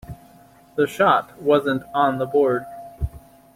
The shot wasn't on the board.